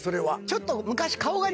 ちょっと昔。